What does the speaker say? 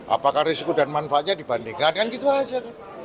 apakah risiko dan manfaatnya dibandingkan kan gitu aja kan